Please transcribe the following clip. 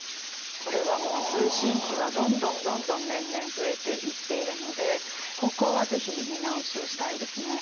これはもう通信費はどんどんどんどん年々増えていっているのでここは是非見直しをしたいですね。